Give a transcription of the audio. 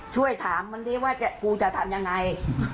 ช่วยถามมันดีว่ากูจะทำยังไง